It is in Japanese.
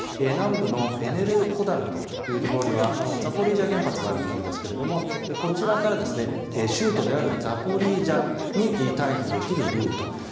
南部のエネルホダルというところにはザポリージャ原発があるところですが、こちらから州都であるザポリージャに退避できるルート。